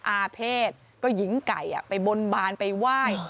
อาเภษก็หญิงไก่ไปบนบานไปไหว้